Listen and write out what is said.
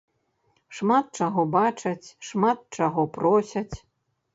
Шмат чаго бачаць, шмат чаго просяць.